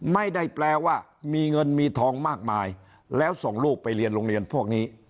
ไม่ได้แปลว่ามีเงินมีทองมากมายแล้วส่งลูกไปเรียนโรงเรียนพวกนี้